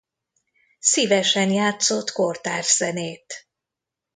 Szívesen játszott kortárs zenét.